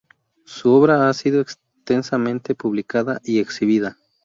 Su obra ha sido extensamente publicada y exhibida.